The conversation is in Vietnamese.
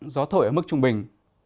gió thổi ở mức trung bình